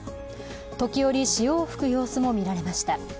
時折、潮を吹く様子も見られました。